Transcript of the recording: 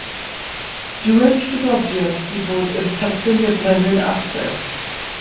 Dywed traddodiad ei bod yn perthyn i'r Brenin Arthur.